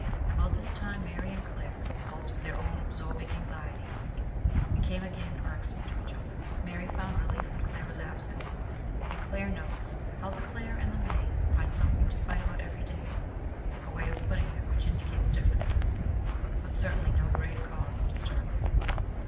About this time Mary and Claire, both with their own absorbing anxieties, became again irk some to each other. Mary found relief when Claire was absent, and Claire notes how " the Claire and the Mai find something to fight about every day," a way of putting it which indicates differences, but cer tainly no grave cause of disturbance.